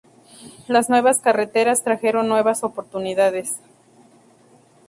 Las nuevas carreteras trajeron nuevas oportunidades.